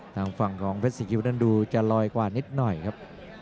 ทางฝั่งของเพชรซีคิวนั้นดูจะลอยกว่านิดหน่อยครับ